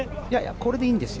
これでいいんですよ。